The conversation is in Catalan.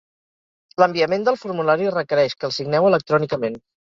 L'enviament del formulari requereix que el signeu electrònicament.